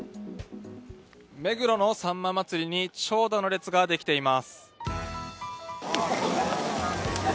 目黒のさんま祭に長蛇の列ができています。